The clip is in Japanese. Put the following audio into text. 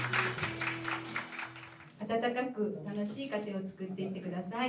温かく楽しい家庭をつくっていってください。